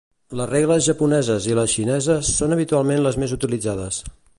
Les regles japoneses i les xineses són habitualment les més utilitzades.